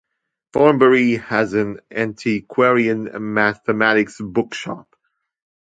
Thornbury has an antiquarian mathematics bookshop.